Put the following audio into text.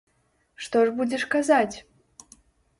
Што ж будзеш казаць?